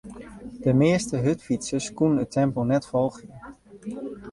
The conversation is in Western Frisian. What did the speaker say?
De measte hurdfytsers koene it tempo net folgje.